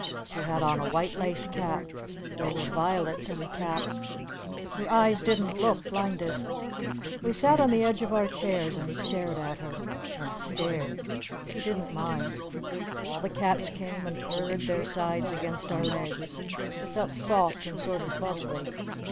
She had on a white lace cap. There were violets in the cap. Her eyes didn't look blinded. We sat on the edge of our chairs. And stared at her. And stared. She didn't mind. All the cats came and purred their sides against our legs. It felt soft and sort of bubbly.